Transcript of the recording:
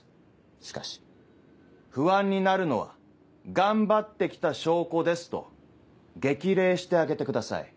しかし「不安になるのは頑張って来た証拠です」と激励してあげてください。